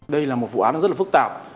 đây là một vụ án rất phức tạp